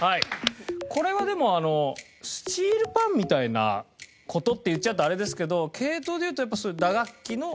これはでもあのスティールパンみたいな事って言っちゃうとあれですけど系統で言うとやっぱそういう打楽器の？